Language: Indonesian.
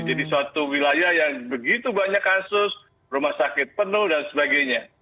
jadi suatu wilayah yang begitu banyak kasus rumah sakit penuh dan sebagainya